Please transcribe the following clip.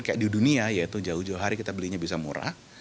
kayak di dunia yaitu jauh jauh hari kita belinya bisa murah